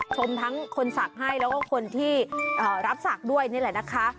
ชมทั้งคนศักดิ์ให้แล้วก็คนที่รับศักดิ์ด้วยนี่แหละนะคะ